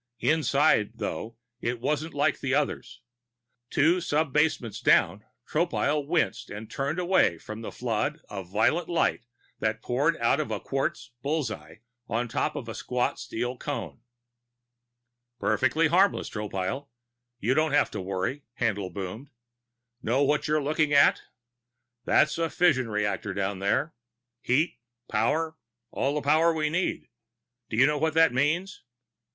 Inside, though, it wasn't like the others. Two sub basements down, Tropile winced and turned away from the flood of violet light that poured out of a quartz bull's eye on top of a squat steel cone. "Perfectly harmless, Tropile you don't have to worry," Haendl boomed. "Know what you're looking at? There's a fusion reactor down there. Heat. Power. All the power we need. Do you know what that means?"